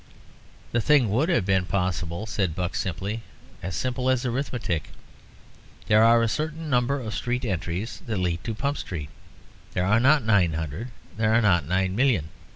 "The thing would have been as possible," said Buck, simply, "as simple as arithmetic. There are a certain number of street entries that lead to Pump Street. There are not nine hundred; there are not nine million.